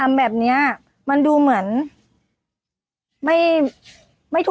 กล้วยทอด๒๐๓๐บาท